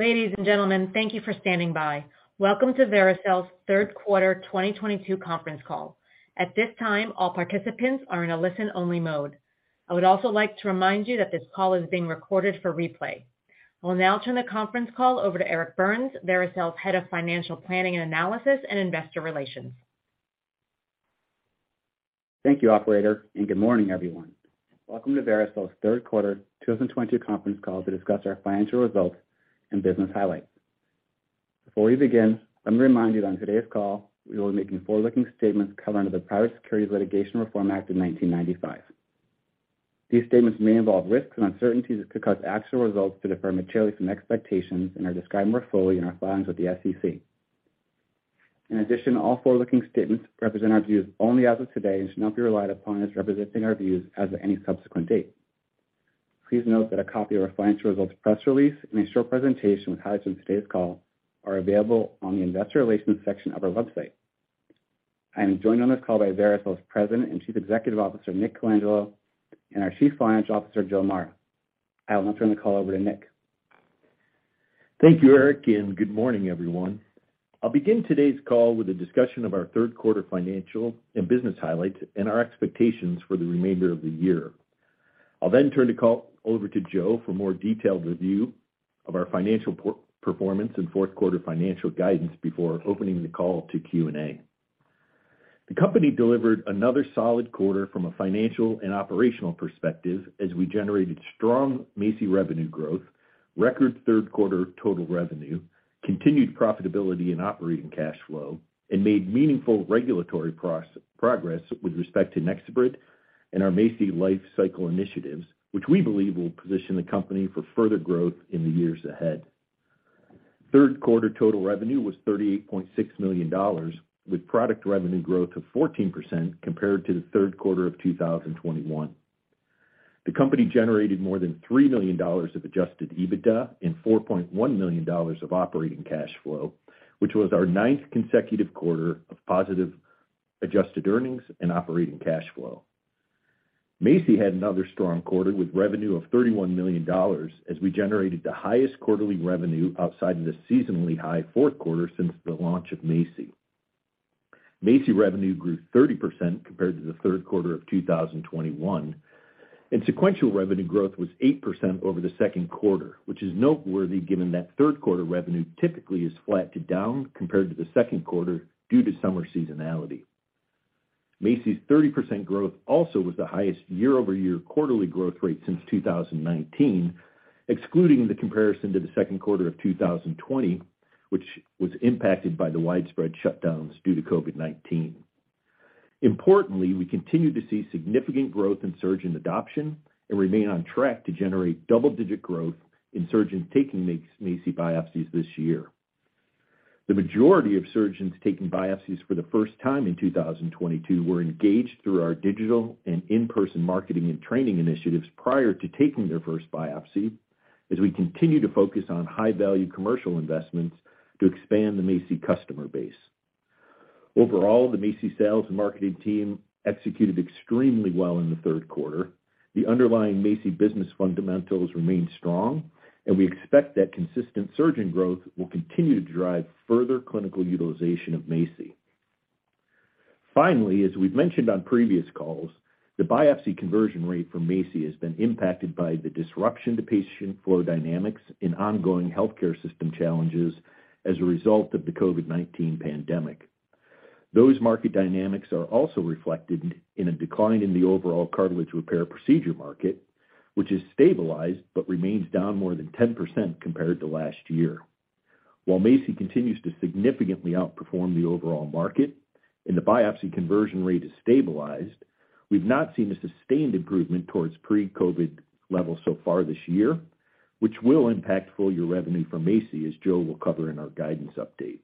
Ladies and gentlemen, thank you for standing by. Welcome to Vericel's third quarter 2022 conference call. At this time, all participants are in a listen-only mode. I would also like to remind you that this call is being recorded for replay. I will now turn the conference call over to Eric Burns, Vericel's Head of Financial Planning and Analysis and Investor Relations. Thank you, operator, and good morning, everyone. Welcome to Vericel's third quarter 2022 conference call to discuss our financial results and business highlights. Before we begin, let me remind you on today's call we will be making forward-looking statements covered under the Private Securities Litigation Reform Act of 1995. These statements may involve risks and uncertainties that could cause actual results to differ materially from expectations and are described more fully in our filings with the SEC. In addition, all forward-looking statements represent our views only as of today and should not be relied upon as representing our views as of any subsequent date. Please note that a copy of our financial results press release and a short presentation with highlights from today's call are available on the investor relations section of our website. I am joined on this call by Vericel's President and Chief Executive Officer, Nick Colangelo, and our Chief Financial Officer, Joe Mara. I'll now turn the call over to Nick. Thank you, Eric, and good morning, everyone. I'll begin today's call with a discussion of our third quarter financial and business highlights and our expectations for the remainder of the year. I'll then turn the call over to Joe for more detailed review of our financial performance and fourth-quarter financial guidance before opening the call to Q&A. The company delivered another solid quarter from a financial and operational perspective as we generated strong MACI revenue growth, record third quarter total revenue, continued profitability and operating cash flow, and made meaningful regulatory progress with respect to NexoBrid and our MACI life cycle initiatives, which we believe will position the company for further growth in the years ahead. Third quarter total revenue was $38.6 million, with product revenue growth of 14% compared to the third quarter of 2021. The company generated more than $3 million of Adjusted EBITDA and $4.1 million of operating cash flow, which was our ninth consecutive quarter of positive Adjusted Earnings and Operating Cash Flow. MACI had another strong quarter with revenue of $31 million as we generated the highest quarterly revenue outside of the seasonally high fourth quarter since the launch of MACI. MACI revenue grew 30% compared to the third quarter of 2021, and sequential revenue growth was 8% over the second quarter, which is noteworthy given that third quarter revenue typically is flat to down compared to the second quarter due to summer seasonality. MACI's 30% growth also was the highest year-over-year quarterly growth rate since 2019, excluding the comparison to the second quarter of 2020, which was impacted by the widespread shutdowns due to COVID-19. Importantly, we continue to see significant growth in surgeon adoption and remain on track to generate double-digit growth in surgeons taking MACI biopsies this year. The majority of surgeons taking biopsies for the first time in 2022 were engaged through our digital and in-person marketing and training initiatives prior to taking their first biopsy, as we continue to focus on high-value commercial investments to expand the MACI customer base. Overall, the MACI sales and marketing team executed extremely well in the third quarter. The underlying MACI business fundamentals remain strong, and we expect that consistent surgeon growth will continue to drive further clinical utilization of MACI. Finally, as we've mentioned on previous calls, the biopsy conversion rate for MACI has been impacted by the disruption to patient flow dynamics and ongoing healthcare system challenges as a result of the COVID-19 pandemic. Those market dynamics are also reflected in a decline in the overall cartilage repair procedure market, which has stabilized but remains down more than 10% compared to last year. While MACI continues to significantly outperform the overall market and the biopsy conversion rate has stabilized, we've not seen a sustained improvement towards pre-COVID levels so far this year, which will impact full-year revenue for MACI, as Joe will cover in our guidance update.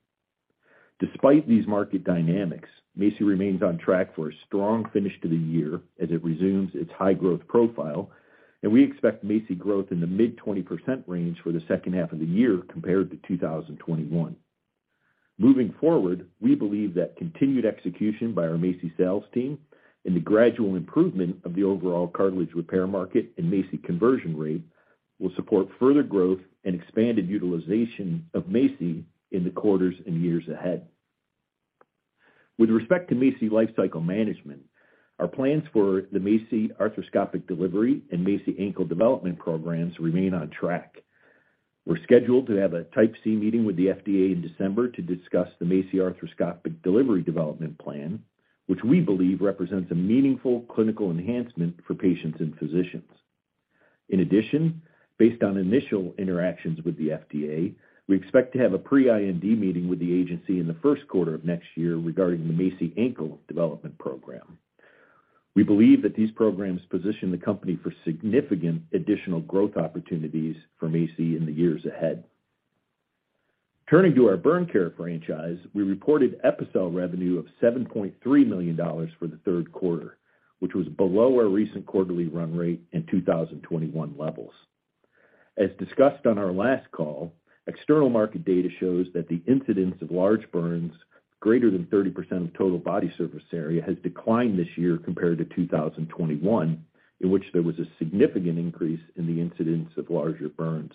Despite these market dynamics, MACI remains on track for a strong finish to the year as it resumes its high-growth profile, and we expect MACI growth in the mid-20% range for the second half of the year compared to 2021. Moving forward, we believe that continued execution by our MACI sales team and the gradual improvement of the overall cartilage repair market and MACI conversion rate will support further growth and expanded utilization of MACI in the quarters and years ahead. With respect to MACI lifecycle management, our plans for the MACI arthroscopic delivery and MACI ankle development programs remain on track. We're scheduled to have a Type C meeting with the FDA in December to discuss the MACI arthroscopic delivery development plan, which we believe represents a meaningful clinical enhancement for patients and physicians. In addition, based on initial interactions with the FDA, we expect to have a pre-IND meeting with the agency in the first quarter of next year regarding the MACI ankle development program. We believe that these programs position the company for significant additional growth opportunities for MACI in the years ahead. Turning to our burn care franchise, we reported Epicel revenue of $7.3 million for the third quarter, which was below our recent quarterly run rate and 2021 levels. As discussed on our last call, external market data shows that the incidence of large burns greater than 30% of total body surface area has declined this year compared to 2021, in which there was a significant increase in the incidence of larger burns.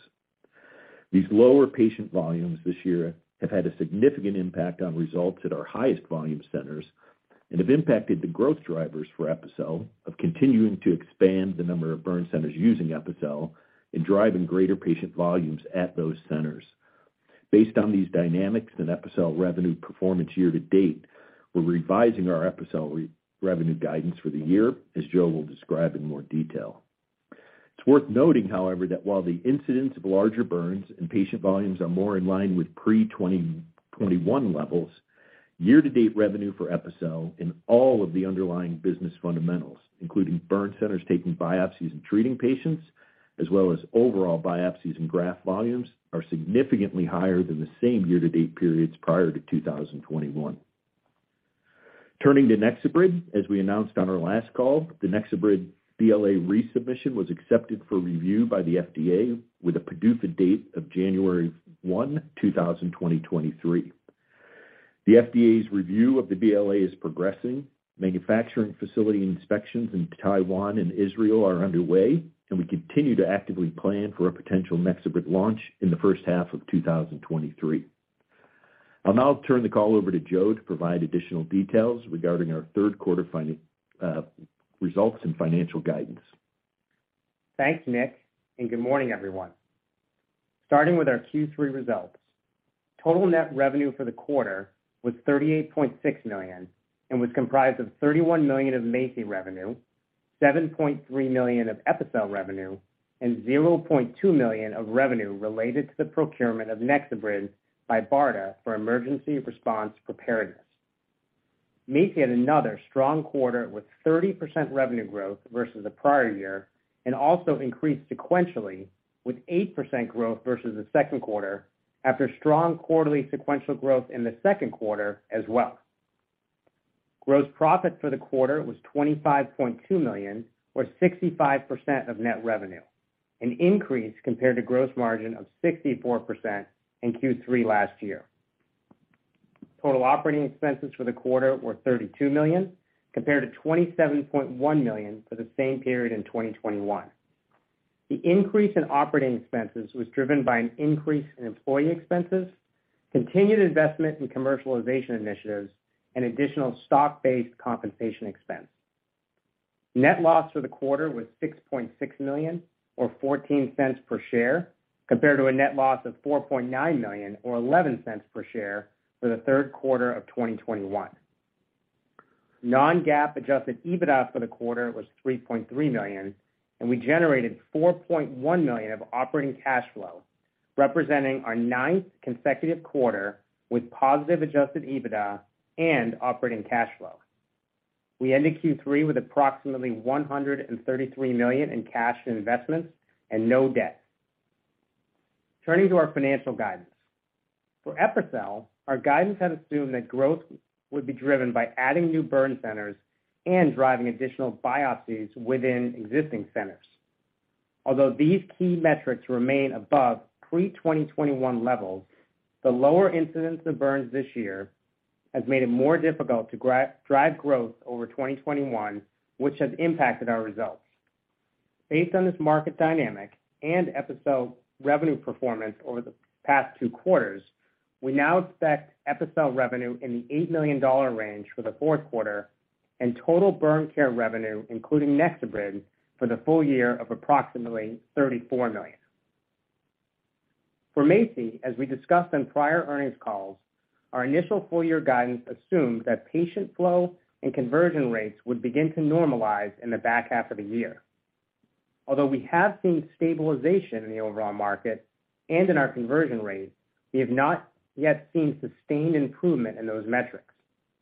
These lower patient volumes this year have had a significant impact on results at our highest volume centers and have impacted the growth drivers for Epicel of continuing to expand the number of burn centers using Epicel and driving greater patient volumes at those centers. Based on these dynamics and Epicel revenue performance year to date, we're revising our Epicel revenue guidance for the year, as Joe will describe in more detail. It's worth noting, however, that while the incidence of larger burns and patient volumes are more in line with pre-2021 levels, year-to-date revenue for Epicel in all of the underlying business fundamentals, including burn centers taking biopsies and treating patients, as well as overall biopsies and graft volumes, are significantly higher than the same year-to-date periods prior to 2021. Turning to NexoBrid, as we announced on our last call, the NexoBrid BLA resubmission was accepted for review by the FDA with a PDUFA date of January 1, 2023. The FDA's review of the BLA is progressing. Manufacturing facility inspections in Taiwan and Israel are underway, and we continue to actively plan for a potential NexoBrid launch in the first half of 2023. I'll now turn the call over to Joe to provide additional details regarding our third quarter financial results and financial guidance. Thanks, Nick, and good morning, everyone. Starting with our Q3 results, total net revenue for the quarter was $38.6 million and was comprised of $31 million of MACI revenue, $7.3 million of Epicel revenue, and $0.2 million of revenue related to the procurement of NexoBrid by BARDA for emergency response preparedness. MACI had another strong quarter with 30% revenue growth versus the prior year and also increased sequentially with 8% growth versus the second quarter after strong quarterly sequential growth in the second quarter as well. Gross profit for the quarter was $25.2 million or 65% of net revenue, an increase compared to gross margin of 64% in Q3 last year. Total operating expenses for the quarter were $32 million compared to $27.1 million for the same period in 2021. The increase in operating expenses was driven by an increase in employee expenses, continued investment in commercialization initiatives, and additional stock-based compensation expense. Net loss for the quarter was $6.6 million or $0.14 per share compared to a net loss of $4.9 million or $0.11 per share for the third quarter of 2021. Non-GAAP Adjusted EBITDA for the quarter was $3.3 million, and we generated $4.1 million of operating cash flow, representing our ninth consecutive quarter with positive Adjusted EBITDA and Operating Cash Flow. We ended Q3 with approximately $133 million in cash and investments and no debt. Turning to our financial guidance. For Epicel, our guidance had assumed that growth would be driven by adding new burn centers and driving additional biopsies within existing centers. Although these key metrics remain above pre-2021 levels, the lower incidence of burns this year has made it more difficult to drive growth over 2021, which has impacted our results. Based on this market dynamic and Epicel revenue performance over the past two quarters, we now expect Epicel revenue in the $8 million range for the fourth quarter and total burn care revenue, including NexoBrid, for the full year of approximately $34 million. For MACI, as we discussed on prior earnings calls, our initial full-year guidance assumed that patient flow and conversion rates would begin to normalize in the back half of the year. Although we have seen stabilization in the overall market and in our conversion rates, we have not yet seen sustained improvement in those metrics,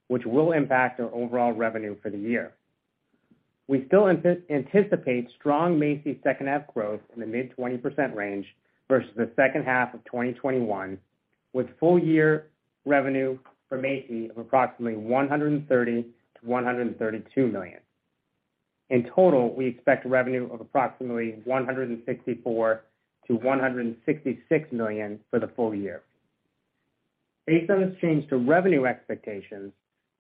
which will impact our overall revenue for the year. We still anticipate strong MACI second half growth in the mid-20% range versus the second half of 2021, with full-year revenue for MACI of approximately $130 million-$132 million. In total, we expect revenue of approximately $164 million-$166 million for the full year. Based on this change to revenue expectations,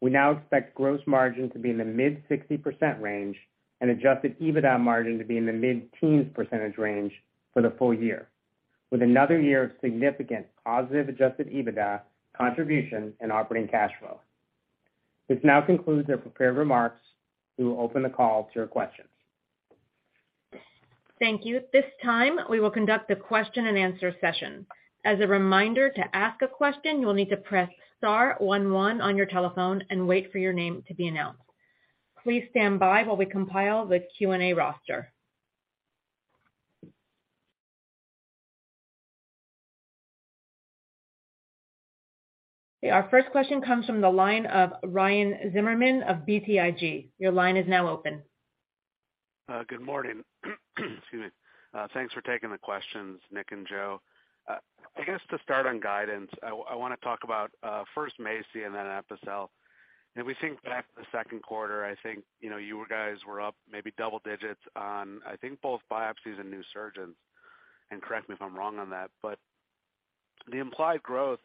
we now expect gross margin to be in the mid-60% range and Adjusted EBITDA margin to be in the mid-teens% range for the full year, with another year of significant positive Adjusted EBITDA contribution and operating cash flow. This now concludes our prepared remarks. We will open the call to your questions. Thank you. At this time, we will conduct a question-and-answer session. As a reminder, to ask a question, you will need to press star one one on your telephone and wait for your name to be announced. Please stand by while we compile the Q&A roster. Okay. Our first question comes from the line of Ryan Zimmerman of BTIG. Your line is now open. Good morning. Excuse me. Thanks for taking the questions, Nick and Joe. I guess to start on guidance, I wanna talk about first MACI and then Epicel. If we think back to the second quarter, I think, you know, you guys were up maybe double digits on, I think, both biopsies and new surgeons. Correct me if I'm wrong on that, but the implied growth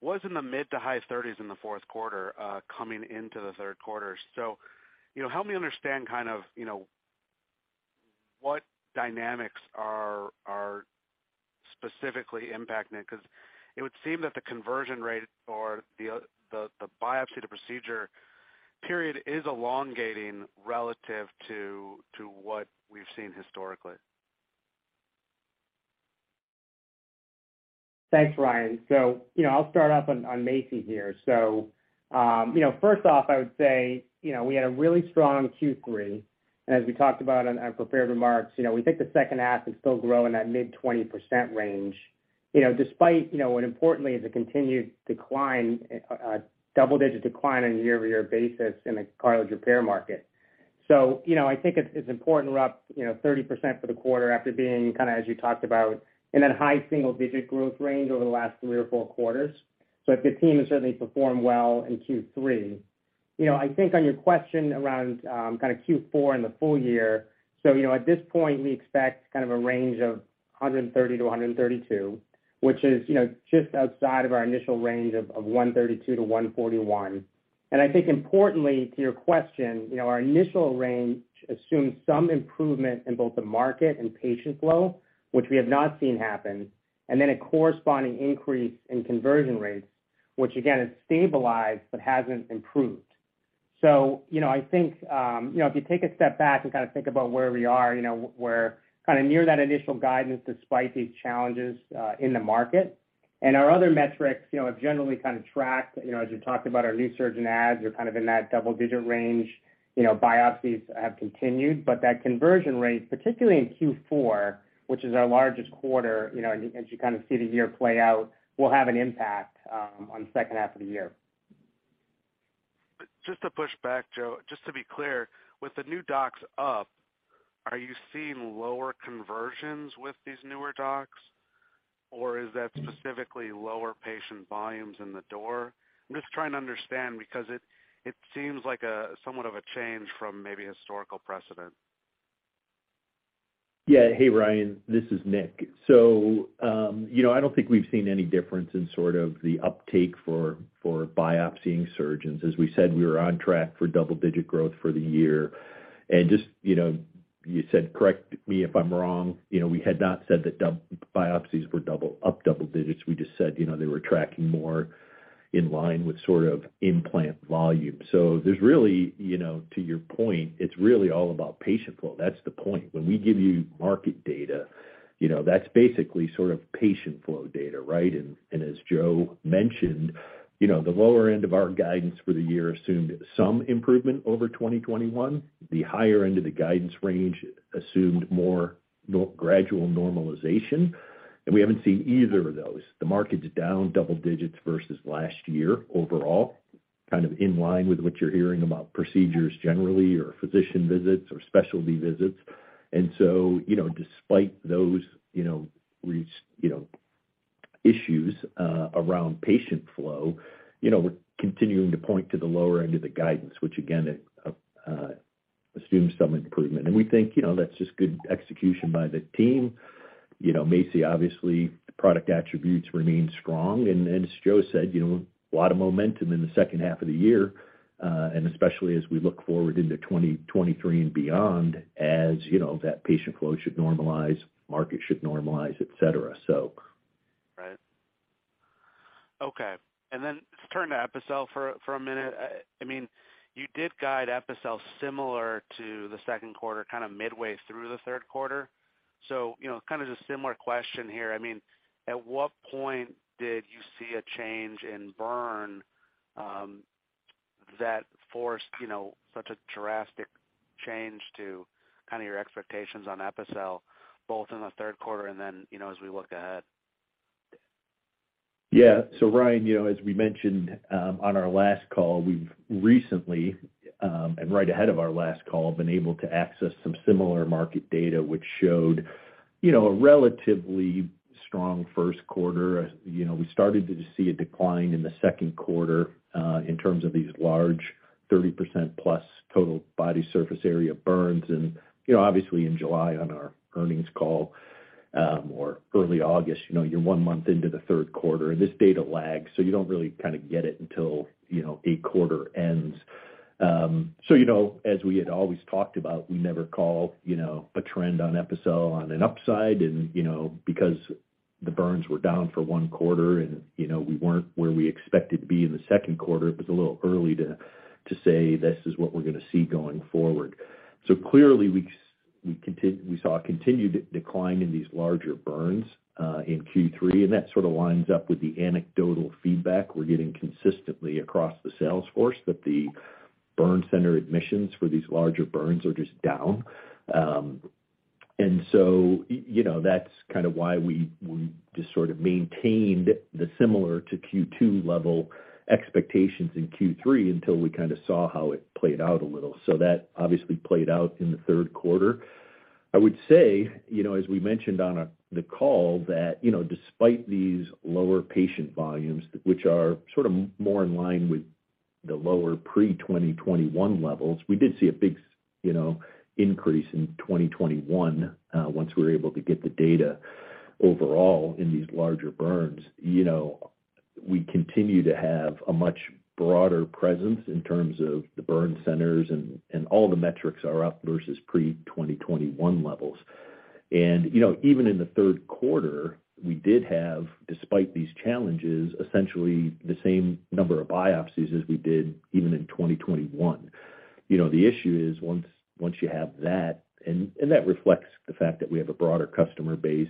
was in the mid- to high-30s% in the fourth quarter coming into the third quarter. You know, help me understand kind of, you know, what dynamics are specifically impacting it, because it would seem that the conversion rate or the biopsy to procedure period is elongating relative to what we've seen historically. Thanks, Ryan. You know, I'll start off on MACI here. You know, first off, I would say, you know, we had a really strong Q3. As we talked about on our prepared remarks, you know, we think the second half will still grow in that mid-20% range. You know, despite, you know, and importantly, the continued decline, double-digit decline on a year-over-year basis in the cartilage repair market. You know, I think it's important we're up, you know, 30% for the quarter after being kind of, as you talked about, in that high single-digit growth range over the last three or four quarters. The team has certainly performed well in Q3. You know, I think on your question around, kind of Q4 and the full year. You know, at this point, we expect kind of a range of $130-$132, which is, you know, just outside of our initial range of one $132-$141. I think importantly to your question, you know, our initial range assumes some improvement in both the market and patient flow, which we have not seen happen, and then a corresponding increase in conversion rates, which again, has stabilized but hasn't improved. You know, I think, if you take a step back and kinda think about where we are, you know, we're kinda near that initial guidance despite these challenges in the market. Our other metrics, you know, have generally kind of tracked, you know, as you talked about our new surgeon adds are kind of in that double-digit range. You know, biopsies have continued, but that conversion rate, particularly in Q4, which is our largest quarter, you know, as you kind of see the year play out, will have an impact on second half of the year. Just to push back, Joe, just to be clear, with the new docs up, are you seeing lower conversions with these newer docs, or is that specifically lower patient volumes in the door? I'm just trying to understand because it seems like a somewhat of a change from maybe historical precedent. Yeah. Hey, Ryan, this is Nick. You know, I don't think we've seen any difference in sort of the uptake for biopsying surgeons. As we said, we were on track for double-digit growth for the year. Just, you know, you said, correct me if I'm wrong, you know, we had not said that our biopsies were up double digits. We just said, you know, they were tracking more in line with sort of implant volume. There's really, you know, to your point, it's really all about patient flow. That's the point. When we give you market data, you know, that's basically sort of patient flow data, right? As Joe mentioned, you know, the lower end of our guidance for the year assumed some improvement over 2021. The higher end of the guidance range assumed more gradual normalization, and we haven't seen either of those. The market's down double digits versus last year overall, kind of in line with what you're hearing about procedures generally or physician visits or specialty visits. Despite those, you know, issues around patient flow, you know, we're continuing to point to the lower end of the guidance, which again assumes some improvement. We think, you know, that's just good execution by the team. You know, MACI obviously, the product attributes remain strong. As Joe said, you know, a lot of momentum in the second half of the year, and especially as we look forward into 2023 and beyond, as you know, that patient flow should normalize, market should normalize, etc. Right. Okay. Turn to Epicel for a minute. I mean, you did guide Epicel similar to the second quarter, kind of midway through the third quarter. You know, kind of a similar question here. I mean, at what point did you see a change in burn that forced, you know, such a drastic change to kinda your expectations on Epicel, both in the third quarter and then, you know, as we look ahead? Yeah. Ryan, you know, as we mentioned, on our last call, we've recently, and right ahead of our last call, been able to access some similar market data which showed, you know, a relatively strong first quarter. You know, we started to see a decline in the second quarter, in terms of these large 30% plus total body surface area burns. You know, obviously in July on our earnings call, or early August, you know, you're one month into the third quarter, and this data lags, so you don't really kinda get it until, you know, a quarter ends. you know, as we had always talked about, we never call, you know, a trend on Epicel on an upside and, you know, because the burns were down for one quarter and, you know, we weren't where we expected to be in the second quarter, it was a little early to say, this is what we're gonna see going forward. Clearly we saw a continued decline in these larger burns, in Q3, and that sort of lines up with the anecdotal feedback we're getting consistently across the sales force, that the burn center admissions for these larger burns are just down. you know, that's kind of why we just sort of maintained the similar to Q2 level expectations in Q3 until we kinda saw how it played out a little. That obviously played out in the third quarter. I would say, you know, as we mentioned on the call that, you know, despite these lower patient volumes, which are sort of more in line with the lower pre-2021 levels. We did see a big, you know, increase in 2021, once we were able to get the data overall in these larger burns. You know, we continue to have a much broader presence in terms of the burn centers and all the metrics are up versus pre-2021 levels. You know, even in the third quarter, we did have, despite these challenges, essentially the same number of biopsies as we did even in 2021. You know, the issue is once you have that, and that reflects the fact that we have a broader customer base,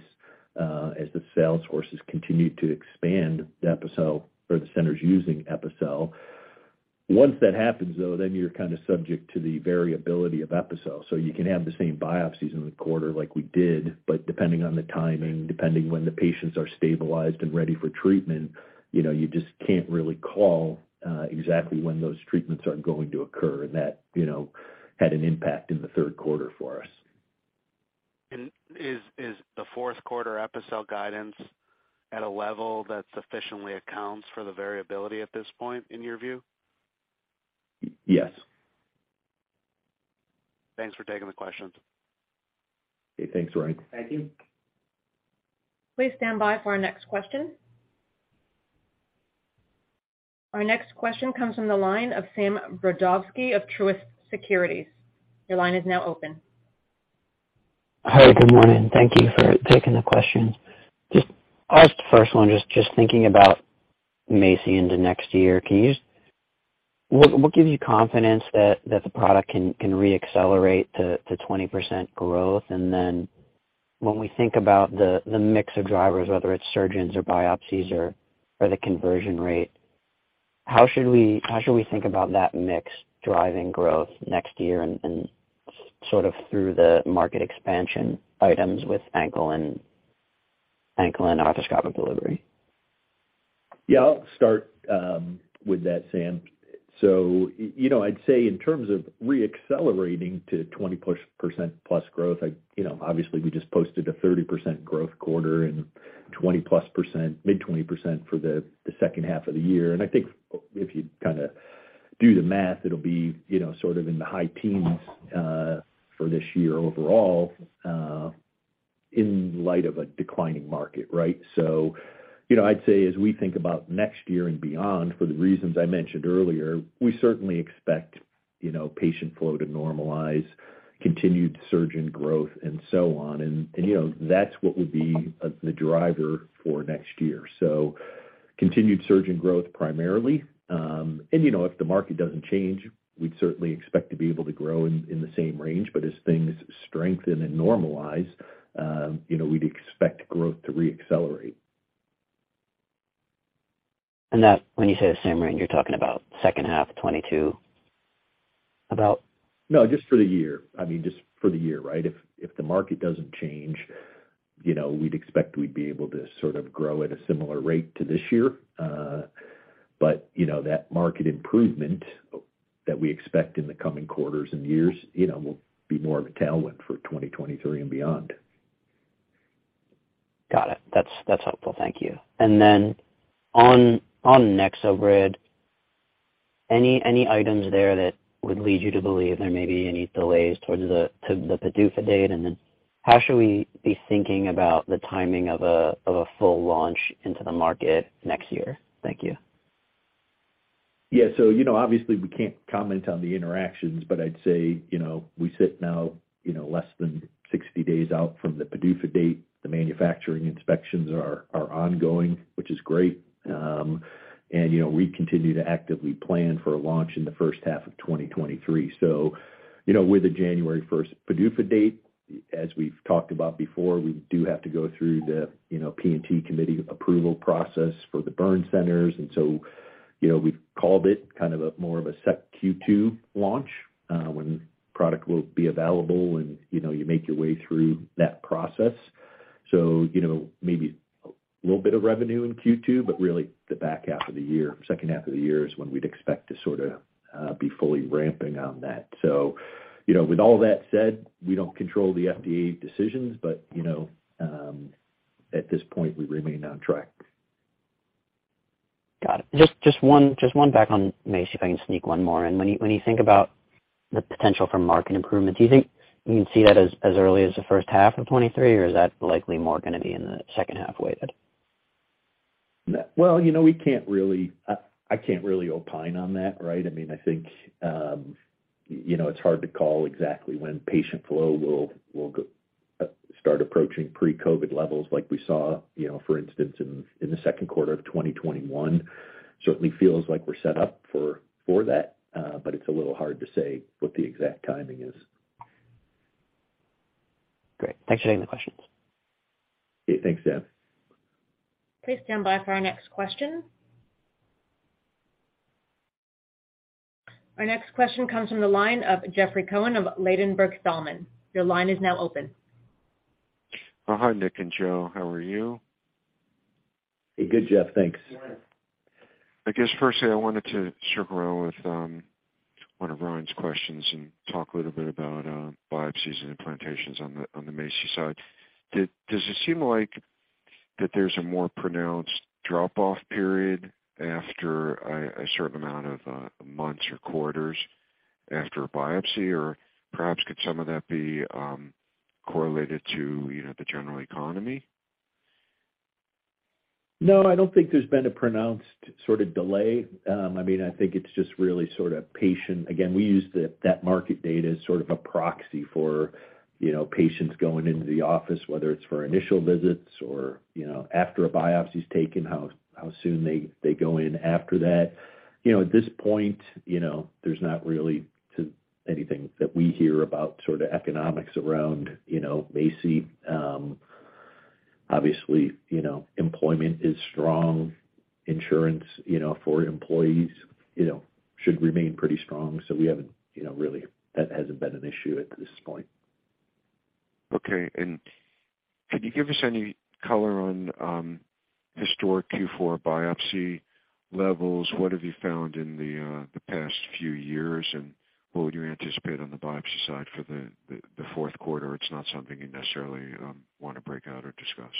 as the sales forces continue to expand the Epicel or the centers using Epicel. Once that happens though, then you're kind of subject to the variability of Epicel. So you can have the same biopsies in the quarter like we did, but depending on the timing, depending when the patients are stabilized and ready for treatment, you know, you just can't really call exactly when those treatments are going to occur. That, you know, had an impact in the third quarter for us. Is the fourth quarter Epicel guidance at a level that sufficiently accounts for the variability at this point in your view? Yes. Thanks for taking the questions. Okay. Thanks, Ryan. Thank you. Please stand by for our next question. Our next question comes from the line of Sam Brodovsky of Truist Securities. Your line is now open. Hi, good morning. Thank you for taking the questions. Just I'll ask the first one. Just thinking about MACI into next year, can you just, what gives you confidence that the product can reaccelerate to 20% growth? Then when we think about the mix of drivers, whether it's surgeons or biopsies or the conversion rate, how should we think about that mix driving growth next year and sort of through the market expansion items with ankle and arthroscopic delivery? Yeah, I'll start with that, Sam. You know, I'd say in terms of reaccelerating to 20%+ growth, you know, obviously we just posted a 30% growth quarter and 20%+, mid-20% for the second half of the year. I think if you kind of do the math, it'll be, you know, sort of in the high teens for this year overall, in light of a declining market, right? You know, I'd say as we think about next year and beyond, for the reasons I mentioned earlier, we certainly expect, you know, patient flow to normalize, continued surgeon growth and so on. You know, that's what would be the driver for next year. Continued surgeon growth primarily. You know, if the market doesn't change, we'd certainly expect to be able to grow in the same range, but as things strengthen and normalize, you know, we'd expect growth to reaccelerate. that, when you say the same range, you're talking about second half of 2022 about? No, just for the year. I mean just for the year, right? If the market doesn't change, you know, we'd expect to be able to sort of grow at a similar rate to this year. You know, that market improvement that we expect in the coming quarters and years, you know, will be more of a tailwind for 2023 and beyond. Got it. That's helpful. Thank you. On NexoBrid, any items there that would lead you to believe there may be any delays to the PDUFA date? How should we be thinking about the timing of a full launch into the market next year? Thank you. Yeah. You know, obviously, we can't comment on the interactions, but I'd say, you know, we sit now, you know, less than 60 days out from the PDUFA date. The manufacturing inspections are ongoing, which is great. You know, we continue to actively plan for a launch in the first half of 2023. You know, with the January first PDUFA date, as we've talked about before, we do have to go through the, you know, P&T committee approval process for the burn centers. You know, we've called it kind of a more of a set Q2 launch, when product will be available and, you know, you make your way through that process. You know, maybe a little bit of revenue in Q2, but really the back half of the year, second half of the year is when we'd expect to sort of be fully ramping on that. You know, with all that said, we don't control the FDA decisions, but, you know, at this point, we remain on track. Got it. Just one back on MACI if I can sneak one more in. When you think about the potential for market improvement, do you think you can see that as early as the first half of 2023, or is that likely more gonna be in the second half weighted? Well, you know, I can't really opine on that, right? I mean, I think you know, it's hard to call exactly when patient flow will start approaching pre-COVID levels like we saw, you know, for instance, in the second quarter of 2021. Certainly feels like we're set up for that, but it's a little hard to say what the exact timing is. Great. Thanks for taking the questions. Okay. Thanks, Sam. Please stand by for our next question. Our next question comes from the line of Jeffrey Cohen of Ladenburg Thalmann. Your line is now open. Oh, hi, Nick and Joe. How are you? Hey, good, Jeffrey. Thanks. I guess firstly, I wanted to circle back with one of Ryan's questions and talk a little bit about biopsies and implantations on the MACI side. Does it seem like there's a more pronounced drop-off period after a certain amount of months or quarters after a biopsy? Or perhaps could some of that be correlated to, you know, the general economy? No, I don't think there's been a pronounced sort of delay. I mean, I think it's just really sort of patient. Again, we use that market data as sort of a proxy for, you know, patients going into the office, whether it's for initial visits or, you know, after a biopsy is taken, how soon they go in after that. You know, at this point, you know, there's not really anything that we hear about sort of economics around, you know, MACI. Obviously, you know, employment is strong. Insurance, you know, for employees, you know, should remain pretty strong. We haven't, you know, really, that hasn't been an issue at this point. Okay. Can you give us any color on historic Q4 biopsy levels? What have you found in the past few years? What would you anticipate on the biopsy side for the fourth quarter? It's not something you necessarily wanna break out or discuss.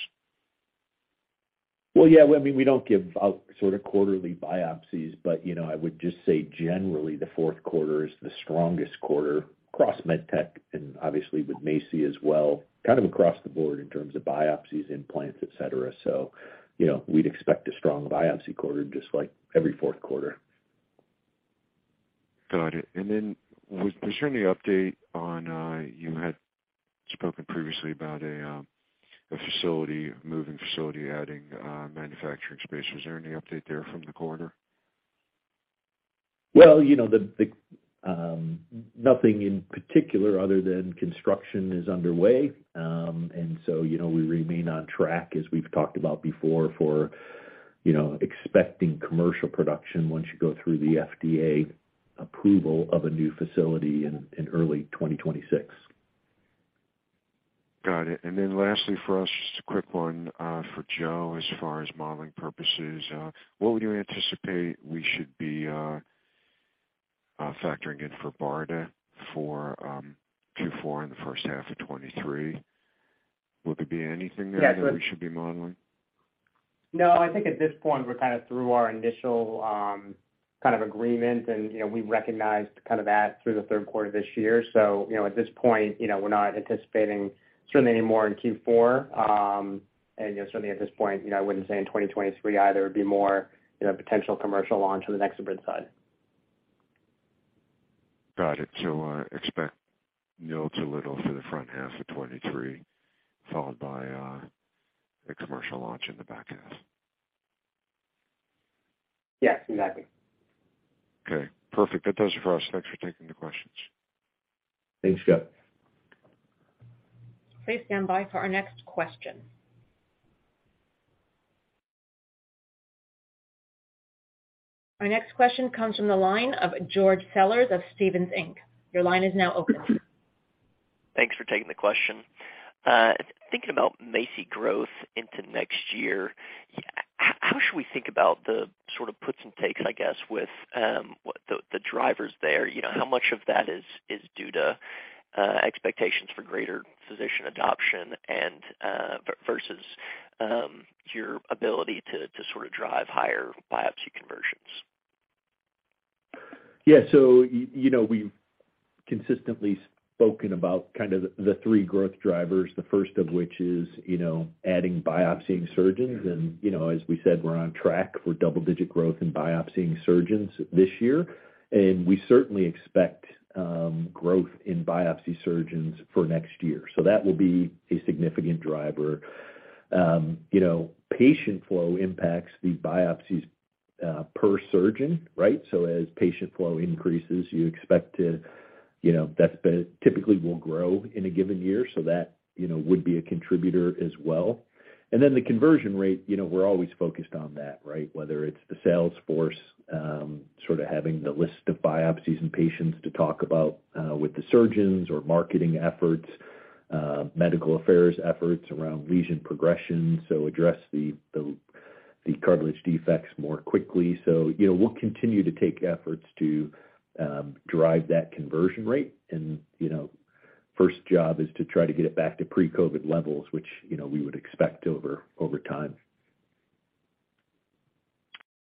Well, yeah, I mean, we don't give out sort of quarterly biopsies, but you know, I would just say generally, the fourth quarter is the strongest quarter across MedTech and obviously with MACI as well, kind of across the board in terms of biopsies, implants, etc. You know, we'd expect a strong biopsy quarter just like every fourth quarter. Got it. Was there any update on you had spoken previously about a facility, moving facility adding manufacturing space. Was there any update there from the quarter? Well, you know, the nothing in particular other than construction is underway. You know, we remain on track as we've talked about before for, you know, expecting commercial production once you go through the FDA approval of a new facility in early 2026. Got it. Lastly for us, just a quick one, for Joe, as far as modeling purposes. What would you anticipate we should be factoring in for BARDA for Q4 in the first half of 2023? Will there be anything there that we should be modeling? No, I think at this point, we're kind of through our initial, kind of agreement and, you know, we recognized kind of that through the third quarter this year. You know, at this point, you know, we're not anticipating certainly any more in Q4. And, you know, certainly at this point, you know, I wouldn't say in 2023 either it would be more, you know, potential commercial launch on the NexoBrid side. Got it. Expect nil to little for the front half of 2023, followed by a commercial launch in the back half. Yes, exactly. Okay, perfect. That does it for us. Thanks for taking the questions. Thanks, Jeff. Please stand by for our next question. Our next question comes from the line of George Sellers of Stephens Inc. Your line is now open. Thanks for taking the question. Thinking about MACI growth into next year, how should we think about the sort of puts and takes, I guess, with the drivers there? You know, how much of that is due to expectations for greater physician adoption and versus your ability to sort of drive higher biopsy conversions? Yeah. You know, we've consistently spoken about kind of the three growth drivers, the first of which is, you know, adding biopsy surgeons. You know, as we said, we're on track for double-digit growth in biopsy surgeons this year. We certainly expect growth in biopsy surgeons for next year. That will be a significant driver. You know, patient flow impacts the biopsies per surgeon, right? As patient flow increases, you expect to, you know, typically will grow in a given year, so that, you know, would be a contributor as well. Then the conversion rate, you know, we're always focused on that, right? Whether it's the sales force, sort of having the list of biopsies and patients to talk about, with the surgeons or marketing efforts, medical affairs efforts around lesion progression, so address the cartilage defects more quickly. You know, we'll continue to take efforts to drive that conversion rate. You know, first job is to try to get it back to pre-COVID levels, which, you know, we would expect over time.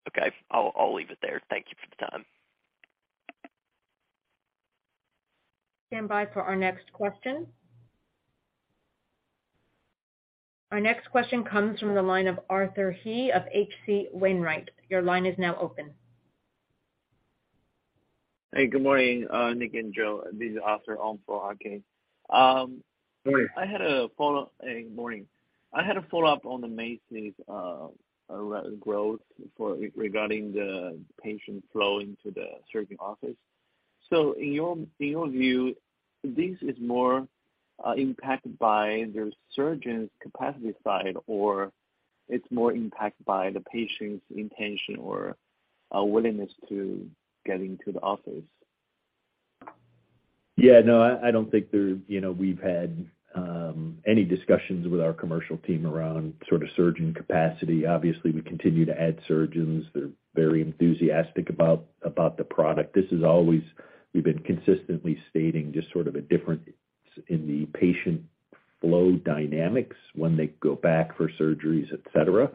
Okay. I'll leave it there. Thank you for the time. Stand by for our next question. Our next question comes from the line of Arthur [inaudible] of H.C. Wainwright. Your line is now open. Hey, good morning, Nick and Joe. This is Arthur on for. [inaudible] Morning. Morning. I had a follow-up on the MACI's growth regarding the patient flow into the surgeon's office. In your view, this is more impacted by the surgeon's capacity side, or it's more impacted by the patient's intention or willingness to get into the office? Yeah, no, I don't think you know, we've had any discussions with our commercial team around sort of surgeon capacity. Obviously, we continue to add surgeons. They're very enthusiastic about the product. We've been consistently stating just sort of a difference in the patient flow dynamics when they go back for surgeries, etc.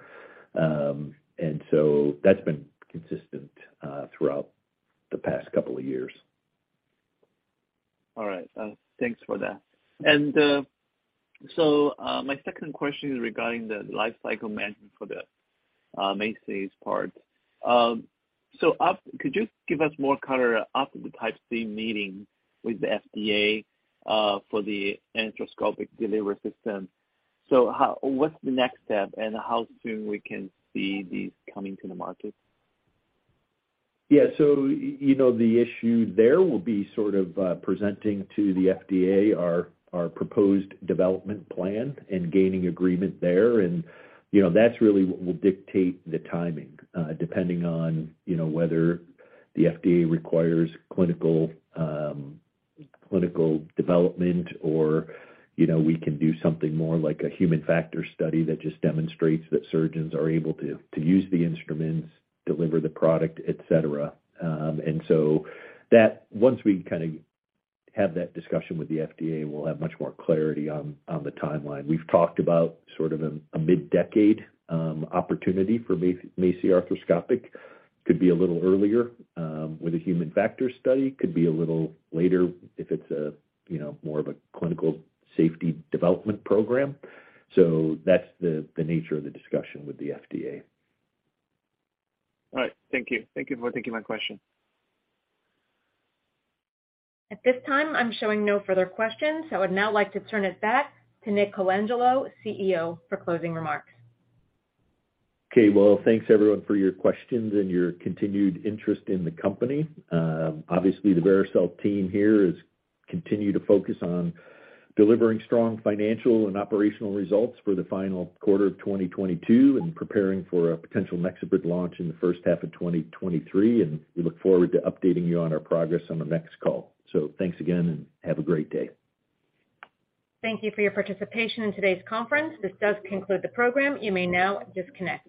That's been consistent throughout the past couple of years. All right. Thanks for that. My second question is regarding the lifecycle management for the MACI's part. Could you give us more color after the Type C meeting with the FDA for the endoscopic delivery system? What's the next step and how soon we can see these coming to the market? Yeah. You know, the issue there will be sort of presenting to the FDA our proposed development plan and gaining agreement there. You know, that's really what will dictate the timing depending on you know whether the FDA requires clinical development or you know we can do something more like a human factor study that just demonstrates that surgeons are able to use the instruments, deliver the product, etc That once we kinda have that discussion with the FDA, we'll have much more clarity on the timeline. We've talked about sort of a mid-decade opportunity for MACI arthroscopic. Could be a little earlier with a human factor study. Could be a little later if it's a you know more of a clinical safety development program. That's the nature of the discussion with the FDA. All right. Thank you. Thank you for taking my question. At this time, I'm showing no further questions. I would now like to turn it back to Nick Colangelo, CEO, for closing remarks. Okay. Well, thanks everyone for your questions and your continued interest in the company. Obviously, the Vericel team here is continue to focus on delivering strong financial and operational results for the final quarter of 2022 and preparing for a potential NexoBrid launch in the first half of 2023. We look forward to updating you on our progress on the next call. Thanks again, and have a great day. Thank you for your participation in today's conference. This does conclude the program. You may now disconnect.